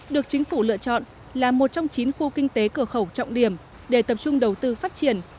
được chính phủ lựa chọn là một trong chín khu kinh tế cửa khẩu trọng điểm để tập trung đầu tư phát triển